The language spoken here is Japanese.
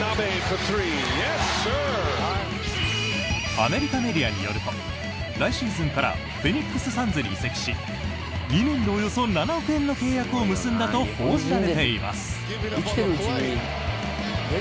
アメリカメディアによると来シーズンからフェニックス・サンズに移籍し２年でおよそ７億円の契約を結んだと報じられています。